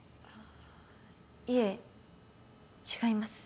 いえ違います。